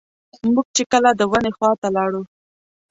موږ چې کله د ونې خواته لاړو.